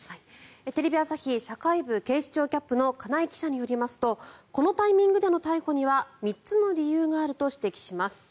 テレビ朝日社会部警視庁キャップの金井記者によりますとこのタイミングでの逮捕には３つの理由があると指摘します。